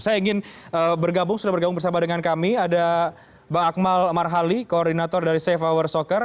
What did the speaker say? saya ingin bergabung sudah bergabung bersama dengan kami ada bang akmal marhali koordinator dari safe hour soccer